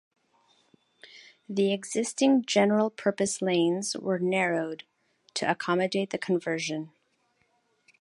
The existing general-purpose lanes were narrowed to accommodate the conversion.